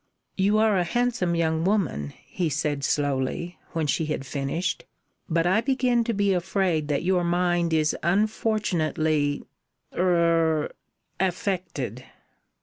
"You are a handsome young woman," he said slowly, when she had finished, "but I begin to be afraid that your mind is unfortunately er affected."